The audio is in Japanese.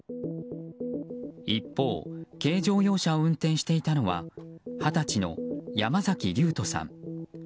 一方、軽乗用車を運転していたのは二十歳の山崎留登さん。